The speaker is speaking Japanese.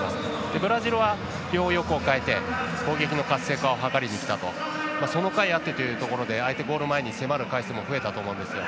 ブラジルは、両翼を代えて攻撃の活性化を図りにきたとそのかいあって相手ゴール前に迫る回数も増えたと思うんですよ。